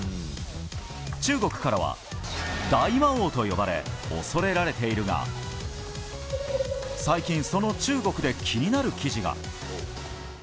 中国からは大魔王と呼ばれ恐れられているが最近、その中国で気になる記事が。